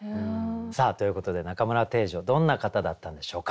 さあということで中村汀女どんな方だったんでしょうか。